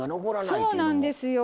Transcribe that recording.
そうなんですよ。